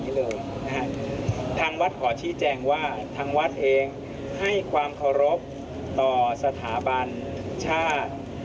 ทางวัดขอชี้แจงว่าทางวัดเองให้ความเคารพต่อสถาบันชาติ